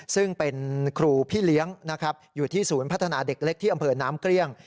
ซึ่งเป็นครูพี่เลี้ยงนะครับอยู่ที่ศูนย์พัฒนาเด็กเล็กที่อำเภอน้ำเกลี้ยง